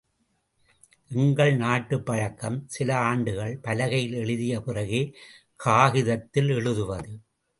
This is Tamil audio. எங்கள் நாட்டுப் பழக்கம், சில ஆண்டுகள் பலகையில் எழுதிய பிறகே, காகிதத்தில் எழுதுவது.